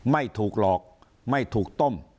ไม่ถูกหลอกไม่ถูกต้ม